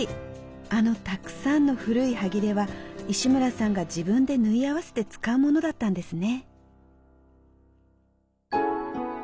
あのたくさんの古いハギレは石村さんが自分で縫い合わせて使うものだったんですね。